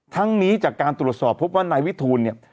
ทั้งนี้จากการตรวจสอบพบว่านายวิทูลเนี่ย